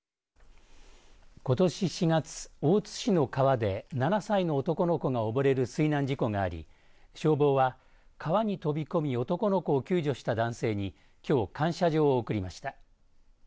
ことし４月、大津市の川で７歳の男の子が溺れる水難事故があり消防は川に飛び込み男の子を救助した男性にきょう感謝状を贈りました。